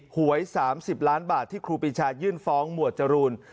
หวย๓๐ล้านบาทที่ครูปีชายื่นฟ้องหมวดจรูน